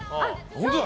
本当だ！